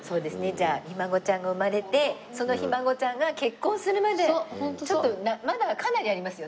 じゃあひ孫ちゃんが生まれてそのひ孫ちゃんが結婚するまでちょっとまだかなりありますよ